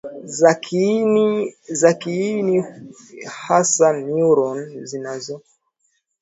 za kiini hushirikisha hasa neuroni zinazochomozakwenye uti